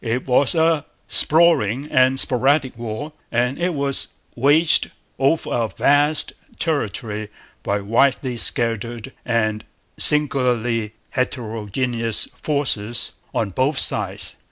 It was a sprawling and sporadic war; and it was waged over a vast territory by widely scattered and singularly heterogeneous forces on both sides.